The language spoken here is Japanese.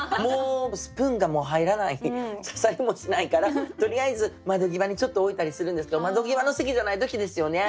スプーンがもう入らない刺さりもしないからとりあえず窓際にちょっと置いたりするんですけど窓際の席じゃない時ですよね。